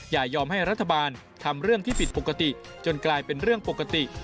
อย่ายอมให้รัฐบาลทำเรื่องที่ผิดปกติจนกลายเป็นเรื่องปกติ